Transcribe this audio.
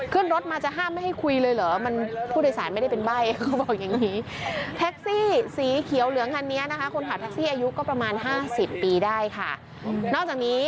ขึ้นรถมาจะห้ามไม่ให้คุยเลยเหรอผู้โดยศาลไม่ได้เป็นใบ้เขาบอกอย่างนี้